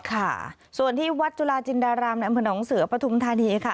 ค่ะส่วนที่วัดจุลาจินดารามแหลมพระน้องเสือปฐุมธานีค่ะ